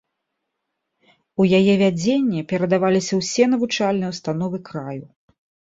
У яе вядзенне перадаваліся ўсе навучальныя ўстановы краю.